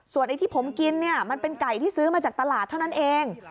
ไอ้ที่ผมกินเนี่ยมันเป็นไก่ที่ซื้อมาจากตลาดเท่านั้นเอง